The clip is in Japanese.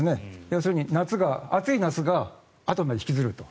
要するに暑い夏があとまで引きずると。